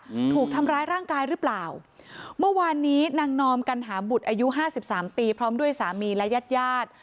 อืมถูกทำร้ายร่างกายหรือเปล่าเมื่อวานนี้นางนอมกัณหาบุตรอายุห้าสิบสามปีพร้อมด้วยสามีและญาติญาติ